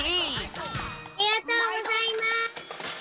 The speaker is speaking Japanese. ありがとうございます。